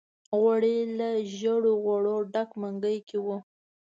غوړي له زېړو غوړو ډک منګي کې وو.